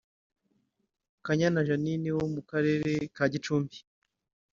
Kanyana Jeanine wo mu Karere ka Gicumbi